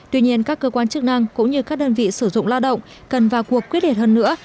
tuy nhiên các cơ quan chức năng cũng như các đơn vị sử dụng lao động cần vào cuộc quyết liệt hơn nữa